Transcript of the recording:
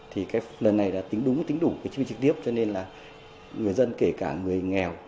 thì cái lần này là tính đúng tính đủ cái chương trình trực tiếp cho nên là người dân kể cả người nghèo